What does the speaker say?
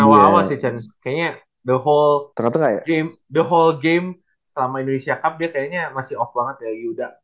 kok awal awal sih chen kayaknya the whole game selama indonesia cup dia kayaknya masih off banget ya yuda